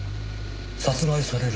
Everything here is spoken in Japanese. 殺害される